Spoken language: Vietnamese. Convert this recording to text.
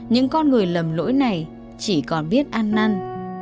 những con người lầm lỗi này chỉ còn biết ăn năn